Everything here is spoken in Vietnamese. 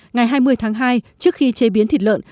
ngày hai mươi tháng hai trước khi chế biến thịt lợn